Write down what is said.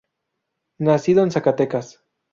Nació en Zacatecas.